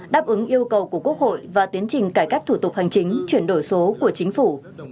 đáp ứng yêu cầu của quốc hội và tiến trình cải cách thủ tục hành chính chuyển đổi số của chính phủ